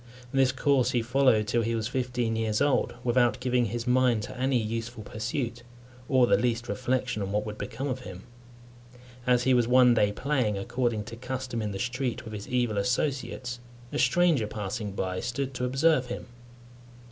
This course he followed till he was fifteen years old, without giving his mind to any useful pursuit, or the least reflection on what would become of him. As he was one day playing, according to custom, in the street, with his evil associates, a stranger passing by stood to observe him.